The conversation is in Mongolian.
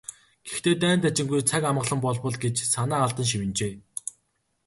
"Гэхдээ дайн дажингүй, цаг амгалан болбол" гэж санаа алдан шивнэжээ.